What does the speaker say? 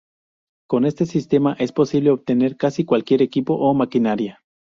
Con este sistema es posible obtener casi cualquier equipo o maquinaria.